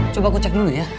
coba aku cek dulu ya